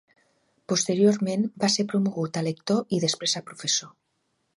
Posteriorment va ser promogut a lector i després a professor.